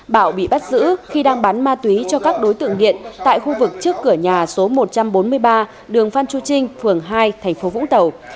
bảo bị bắt giữ khi đang bán ma túy cho các đối tượng nghiện tại khu vực trước cửa nhà số một trăm bốn mươi ba đường phan chu trinh phường hai thành phố vũng tàu